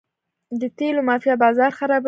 د تیلو مافیا بازار خرابوي.